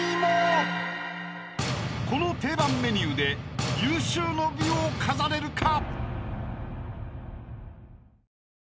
［この定番メニューで有終の美を飾れるか？］